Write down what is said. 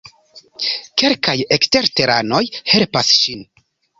Kelkaj eksterteranoj helpas ŝin.